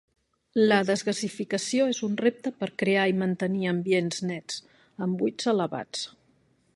La desgassificació és un repte per crear i mantenir ambients nets amb buits elevats.